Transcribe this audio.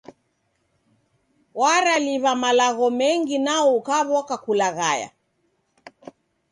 Waraliw'a malagho mengi nao ukaw'oka kulaghaya.